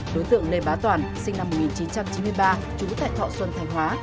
đối tượng lê bá toàn sinh năm một nghìn chín trăm chín mươi ba trú tại thọ xuân thành hóa